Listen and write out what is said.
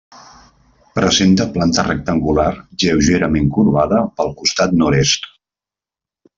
Presenta planta rectangular lleugerament corbada pel costat Nord-est.